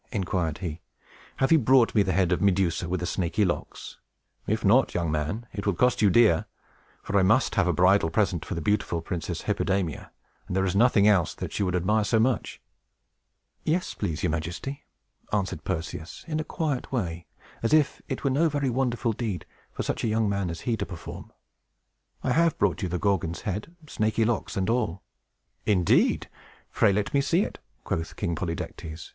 inquired he. "Have you brought me the head of Medusa with the snaky locks? If not, young man, it will cost you dear; for I must have a bridal present for the beautiful Princess Hippodamia, and there is nothing else that she would admire so much." "Yes, please your Majesty," answered Perseus, in a quiet way, as if it were no very wonderful deed for such a young man as he to perform. "I have brought you the Gorgon's head, snaky locks and all!" "Indeed! Pray let me see it," quoth King Polydectes.